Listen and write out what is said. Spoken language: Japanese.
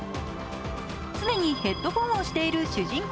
常にヘッドフォンをしている主人公